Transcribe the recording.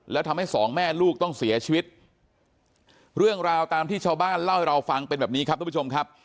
แล้วทำให้สองแม่ลูกต้องเสียชีวิตเรื่องราวตามที่ชาวบ้านเล่าให้เราฟังเป็นแบบนี้ครับทุกผู้ชมครับ